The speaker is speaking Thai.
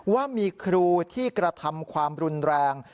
ว่ามีครูที่กระทำความรุนแรง